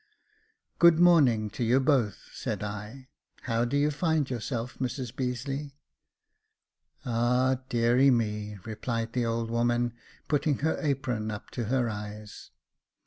" Good morning to you both," said I ;" how do you find yourself, Mrs Beazeley .''"Ah ! deary me !" replied the old woman, putting her apron up to her eyes.